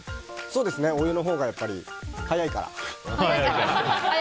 お湯のほうが早いから。